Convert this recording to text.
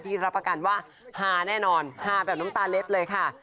รับประกันว่าฮาแน่นอนฮาแบบน้ำตาเล็ดเลยค่ะ